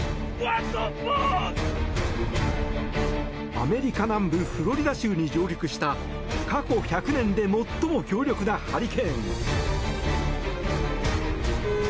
アメリカ南部フロリダ州に上陸した過去１００年で最も強力なハリケーン。